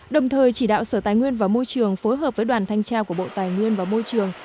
đồng thời chỉ đạo sở tài nguyên và môi trường phối hợp với đoàn thanh tra của bộ tài nguyên và môi trường